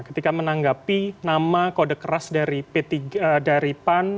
ketika menanggapi nama kode keras dari pan